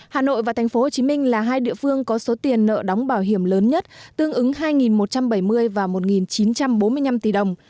hà nội và tp hcm là hai địa phương có số tiền nợ đóng bảo hiểm lớn nhất tương ứng hai một trăm bảy mươi và một chín trăm bốn mươi năm tỷ đồng